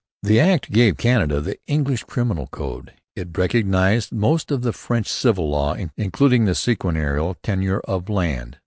The Act gave Canada the English criminal code. It recognized most of the French civil law, including the seigneurial tenure of land.